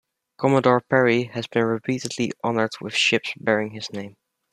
Commodore Perry has been repeatedly honored with ships bearing his name.